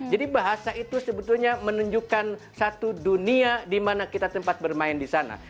jadi bahasa itu sebetulnya menunjukkan satu dunia dimana kita tempat bermain disana